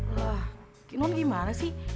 wah non gimana sih